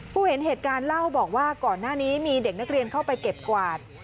เห็นเหตุการณ์เล่าบอกว่าก่อนหน้านี้มีเด็กนักเรียนเข้าไปเก็บกวาด